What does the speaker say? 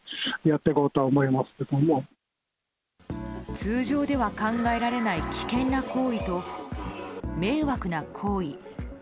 通常では考えられない危険な行為と、迷惑な行為。